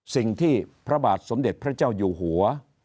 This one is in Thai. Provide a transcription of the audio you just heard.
สิ่งที่พระบาทสมเด็จพระเจ้าอยู่หัว